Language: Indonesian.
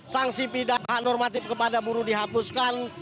sanksi pidat hak normatif kepada buruh dihapuskan